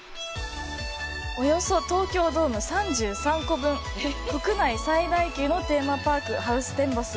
およそ東京ドーム３３個分国内最大級のテーマパークハウステンボス。